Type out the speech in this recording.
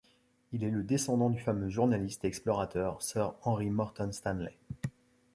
Il est le descendant du fameux journaliste et explorateur Sir Henry Morton Stanley.